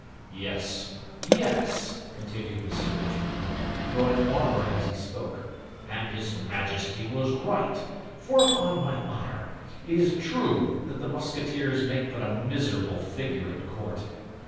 "Yes, yes," continued M. de Tréville, growing warmer as he spoke, "and his majesty was right; for, upon my honor, it is true that the Musketeers make but a miserable figure at court.